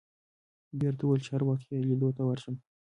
دوی راته وویل چې هر وخت یې لیدلو ته ورشم.